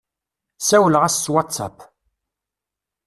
Sawleɣ-as s WhatsApp.